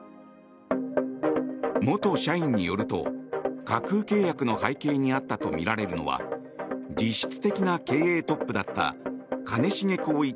元社員によると、架空契約の背景にあったとみられるのは実質的な経営トップだった兼重宏一